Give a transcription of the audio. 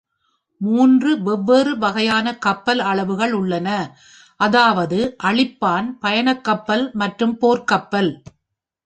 மூன்று வெவ்வேறு வகையான கப்பல் அளவுகள் உள்ளன, அதாவது அழிப்பான், பயணக்கப்பல் மற்றும் போர்க்கப்பல்.